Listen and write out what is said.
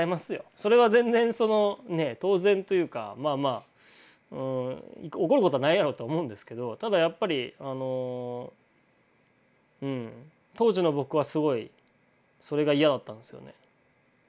それは全然そのね当然というかまあまあ怒ることないやろと思うんですけどただやっぱり当時の僕はすごいそれが嫌だったんですよね。